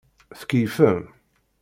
Tkeyyfem.